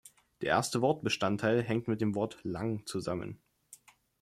Der erste Wortbestandteil hängt mit dem Wort „lang“ zusammen.